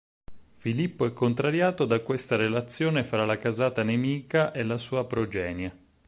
Filippo è contrariato da questa relazione fra la casata nemica e la sua progenie.